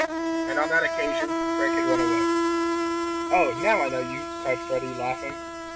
And on that occasion Frank had run away. "Oh, now I know you!" cried Freddie, laughing.